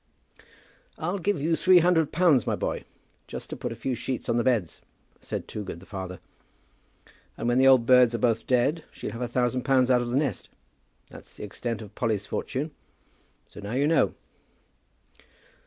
"I'll give you three hundred pounds, my boy, just to put a few sheets on the beds," said Toogood the father, "and when the old birds are both dead she'll have a thousand pounds out of the nest. That's the extent of Polly's fortune; so now you know."